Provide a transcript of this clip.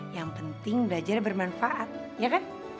yang penting belajar bermanfaat ya kan